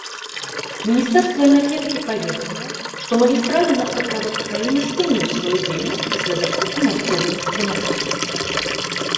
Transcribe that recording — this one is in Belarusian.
Міністэрства энергетыкі паведаміла, што магістральны нафтаправод краіны спыніў сваю дзейнасць пасля захопу мясцовымі дэманстрантамі.